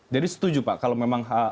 jadi setuju pak kalau memang adalah